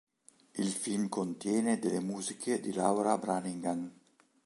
Il film contiene delle musiche di Laura Branigan.